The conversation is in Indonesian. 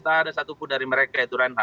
tidak ada satu puntuh dari mereka